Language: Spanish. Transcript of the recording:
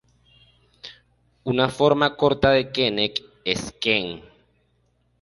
Una forma corta de "Kenneth" es "Ken".